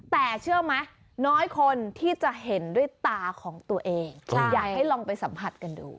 แต่เชื่อไหมน้อยคนที่จะเห็นด้วยตาของตัวเองอยากให้ลองไปสัมผัสกันดู